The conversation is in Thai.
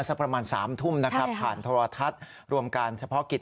สักประมาณ๓ทุ่มนะครับผ่านโทรทัศน์รวมการเฉพาะกิจ